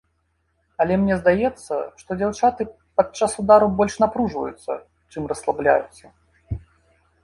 Але мне здаецца, што дзяўчаты падчас удару больш напружваюцца, чым расслабляюцца.